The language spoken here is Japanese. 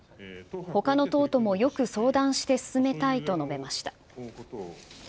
ほかの党ともよく相談して進めたいと述べました。